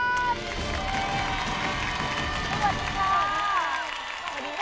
สวัสดีค่ะ